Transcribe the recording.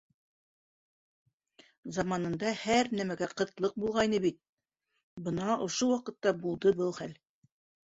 Заманында һәр нәмәгә ҡытлыҡ булғайны бит, бына ошо ваҡытта булды был хәл.